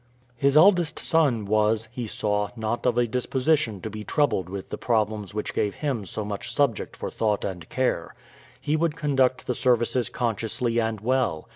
His eldest son was, he saw, not of a disposition to be troubled with the problems which gave him so much subject for thought and care. He would conduct the services consciously and well.